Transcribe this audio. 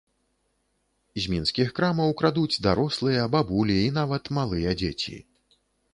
З мінскіх крамаў крадуць дарослыя, бабулі і нават малыя дзеці.